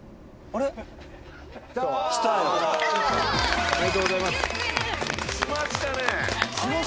「おめでとうございます！」